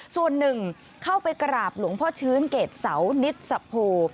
ส่วนหนึ่งเข้าไปกราบหลวงพ่อชื้นเกรดเสานิสสโพ